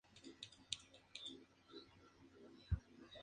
Existen varias versiones de la película.